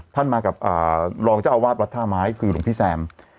มากับรองเจ้าอาวาสวัดท่าไม้คือหลวงพี่แซม